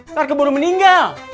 ntar keburu meninggal